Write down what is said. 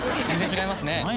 全然違いますね